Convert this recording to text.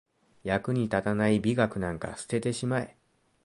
役に立たない美学なんか捨ててしまえ